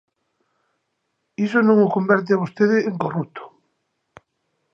Iso non o converte a vostede en corrupto.